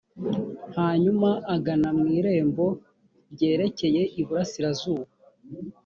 hanyuma agana mu irembo ryerekeye iburasirazuba